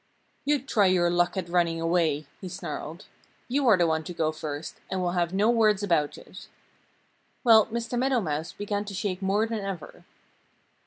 "You'd try your luck at running away," he snarled. "You are the one to go first; and we'll have no words about it." Well, Mr. Meadow Mouse began to shake more than ever.